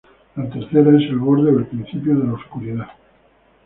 La tercera es el borde o el principio de la oscuridad.